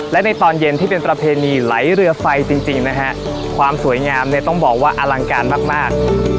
และในตอนเย็นที่เป็นประเพณีไหลเรือไฟจริงนะฮะความสวยงามเนี่ยต้องบอกว่าอลังการมาก